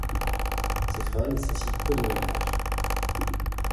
Ces freins nécessitent peu de réglage.